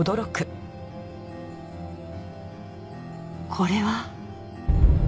これは。